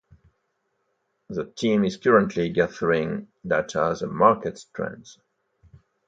The team is currently gathering data the market trends.